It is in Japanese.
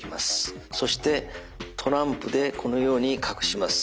そしてトランプでこのように隠します。